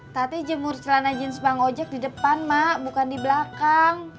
tapi jemur celana jeans bang ojek di depan mak bukan di belakang